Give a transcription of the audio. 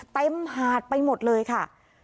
มหาดไปหมดเลยค่ะ